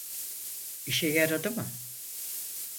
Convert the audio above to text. İşe yaradı mı?